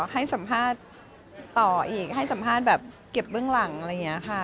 ให้สัมภาษณ์ต่ออีกให้สัมภาษณ์แบบเก็บเบื้องหลังอะไรอย่างนี้ค่ะ